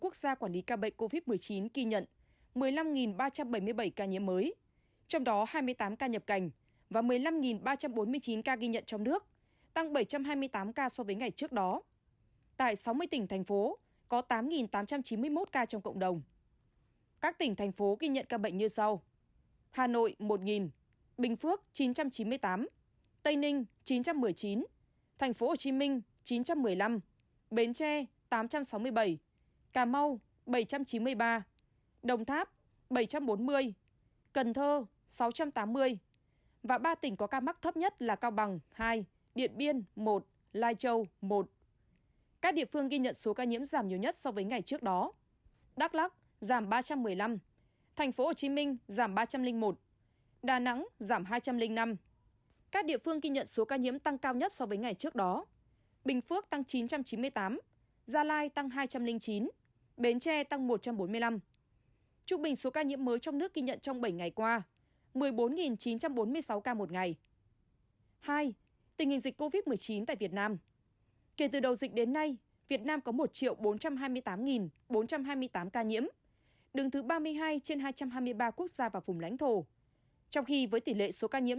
các địa phương ghi nhận số ca nhiễm giảm nhiều nhất so với những địa phương ghi nhận số ca nhiễm giảm nhiều nhất so với những địa phương ghi nhận số ca nhiễm